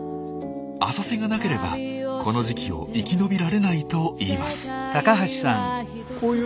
浅瀬がなければこの時期を生き延びられないといいます。